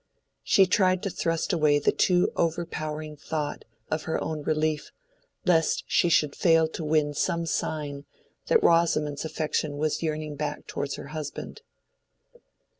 She tried to thrust away the too overpowering thought of her own relief, lest she should fail to win some sign that Rosamond's affection was yearning back towards her husband.